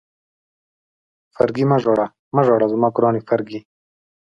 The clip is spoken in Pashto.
فرګي مه ژاړه، مه ژاړه زما ګرانې فرګي.